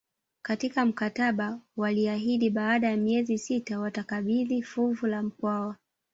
Katika mkataba waliahidi baada ya miezi sita watakabidhi fuvu la Mkwawa